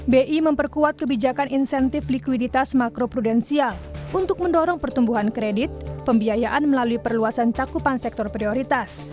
bi memperkuat kebijakan insentif likuiditas makro prudensial untuk mendorong pertumbuhan kredit pembiayaan melalui perluasan cakupan sektor prioritas